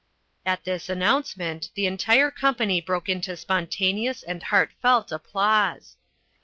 At this announcement the entire company broke into spontaneous and heartfelt applause.